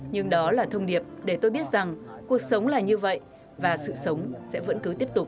nhưng đó là thông điệp để tôi biết rằng cuộc sống là như vậy và sự sống sẽ vẫn cứ tiếp tục